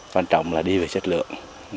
quan trọng là đi về chất lượng